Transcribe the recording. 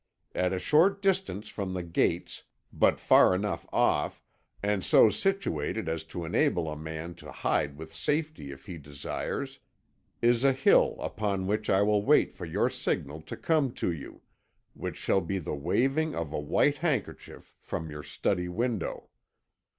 At a short distance from the gates but far enough off, and so situated as to enable a man to hide with safety if he desires is a hill upon which I will wait for your signal to come to you, which shall be the waving of a white handkerchief from your study window.